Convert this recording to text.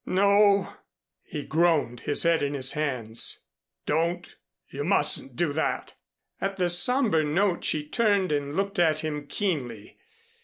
"No," he groaned, his head in his hands. "Don't! You mustn't do that!" At the somber note she turned and looked at him keenly.